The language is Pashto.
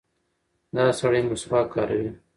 دا سړی مسواک کاروي.